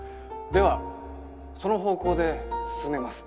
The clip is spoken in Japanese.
ではその方向で進めます。